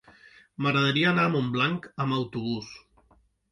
M'agradaria anar a Montblanc amb autobús.